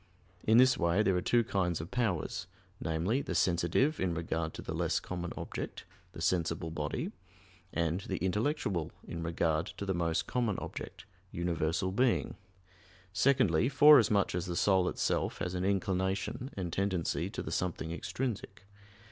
In this way there are two kinds of powers namely, the "sensitive" in regard to the less common object the sensible body; and the "intellectual," in regard to the most common object universal being. Secondly, forasmuch as the soul itself has an inclination and tendency to the something extrinsic.